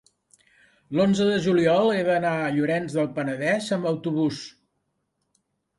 l'onze de juliol he d'anar a Llorenç del Penedès amb autobús.